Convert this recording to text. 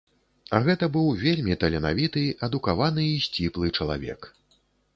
А гэта быў вельмі таленавіты, адукаваны і сціплы чалавек.